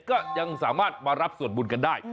ก็ยังสามารถมารับส่วนบุญกันได้